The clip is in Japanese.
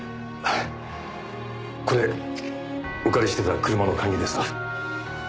これお借りしてた車の鍵です。